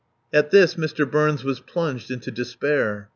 At this Mr. Burns was plunged into despair.